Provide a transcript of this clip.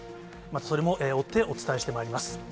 それも追ってお伝えしてまいります。